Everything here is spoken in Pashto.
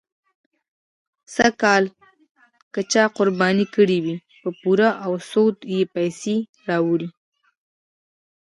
سږکال که چا قرباني کړې وي، په پور او سود یې پیسې راوړې.